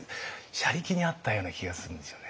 車力にあったような気がするんですよね。